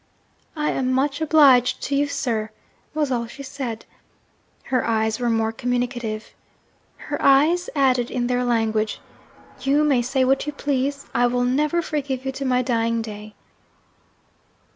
'I am much obliged to you, sir,' was all she said. Her eyes were more communicative her eyes added, in their language, 'You may say what you please; I will never forgive you to my dying day.'